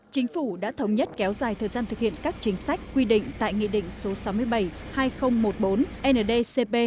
chính phủ đã thống nhất kéo dài thời gian thực hiện các chính sách quy định tại nghị định số sáu mươi bảy hai nghìn một mươi bốn ndcp